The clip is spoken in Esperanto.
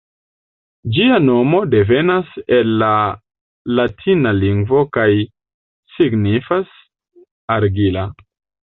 Ĝia nomo devenas el la latina lingvo kaj signifas "argila".